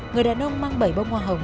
người đàn ông mang bảy bông hoa hồng